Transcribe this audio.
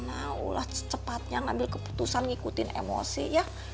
ya allah secepatnya ngambil keputusan ngikutin emosi ya